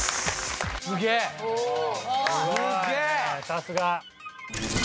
さすが。